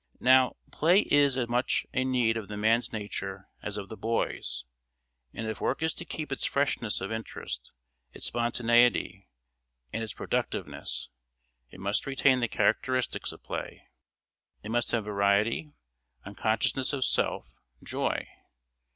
Now, play is as much a need of the man's nature as of the boy's, and if work is to keep its freshness of interest, its spontaneity, and its productiveness, it must retain the characteristics of play; it must have variety, unconsciousness of self, joy.